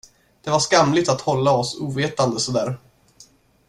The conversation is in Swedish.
Det var skamligt att hålla oss ovetande så där.